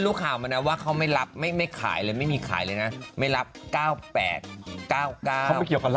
แล้วพี่ผมหมดแล้วเขาซื้อหมดแล้วทุกแผ่น